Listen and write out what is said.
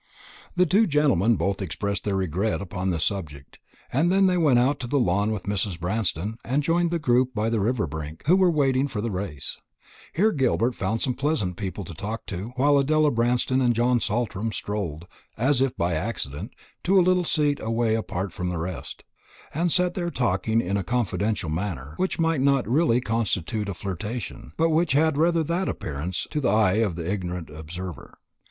The two gentlemen both expressed their regret upon this subject; and then they went out to the lawn with Mrs. Branston, and joined the group by the river brink, who were waiting for the race. Here Gilbert found some pleasant people to talk to; while Adela Branston and John Saltram strolled, as if by accident, to a seat a little way apart from the rest, and sat there talking in a confidential manner, which might not really constitute a flirtation, but which had rather that appearance to the eye of the ignorant observer.